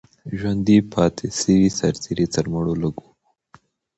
ژوندي پاتې سوي سرتیري تر مړو لږ وو.